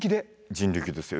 人力ですよ。